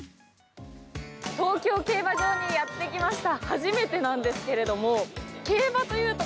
東京競馬場にやってきました。